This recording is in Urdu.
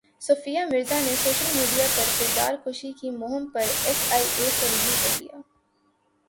صوفیہ مرزا نے سوشل میڈیا پرکردار کشی کی مہم پر ایف ائی اے سے رجوع کر لیا